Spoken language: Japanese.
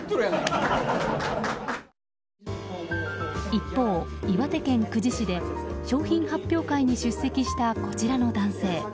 一方、岩手県久慈市で商品発表会に出席したこちらの男性。